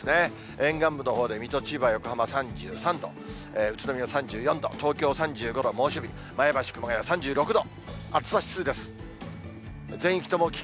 沿岸部のほうで水戸、千葉、横浜３３度、宇都宮３４度、東京３５度、猛暑日、前橋、熊谷３６度。